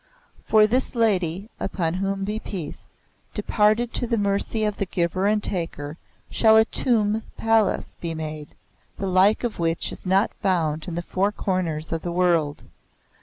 "For this Lady (upon whom be peace), departed to the mercy of the Giver and Taker, shall a tomb palace be made, the Like of which is not found in the four corners of the world.